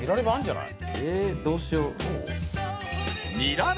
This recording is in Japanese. ええどうしよう？